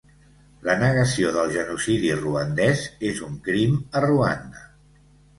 La negació del genocidi ruandès és un crim a Ruanda.